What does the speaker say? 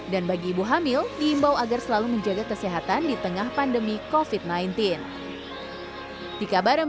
dan bagi ibu hamil diimbau agar selalu menjaga kesehatan di tengah pandemi covid sembilan belas